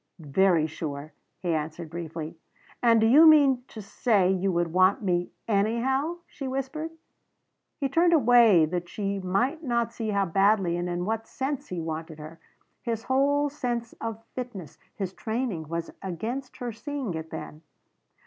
"Very sure," he answered briefly. "And do you mean to say you would want me anyhow?" she whispered. He turned away that she might not see how badly and in what sense he wanted her. His whole sense of fitness his training was against her seeing it then.